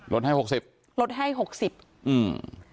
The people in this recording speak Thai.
ลดให้๖๐อืม